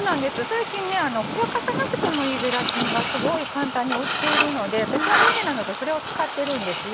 最近ねふやかさなくてもいいゼラチンがすごい簡単に売っているので私は便利なのでそれを使ってるんですよ。